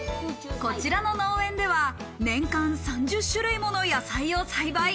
こちらの農園では、年間３０種類もの野菜を栽培。